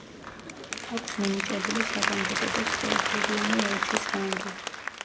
აქვს მინიჭებული საგანგებო და სრულუფლებიანი ელჩის რანგი.